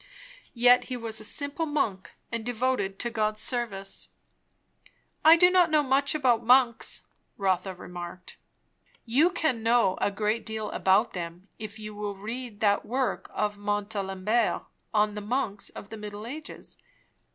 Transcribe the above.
Yet he was a simple monk, and devoted to God's service." "I do not know much about monks," Rotha remarked. "You can know a good deal about them, if you will read that work of Montalembert on the monks of the Middle Ages.